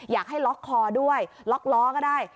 อยากให้ล็อกคอด้วยล็อกล้อก็ได้